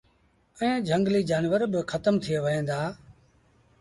ائيٚݩ جھنگليٚ جآنور با کتم ٿئي وهيݩ دآ۔